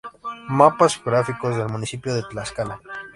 Mapas geográficos del municipio de Tlaxcala.